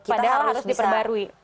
padahal harus diperbarui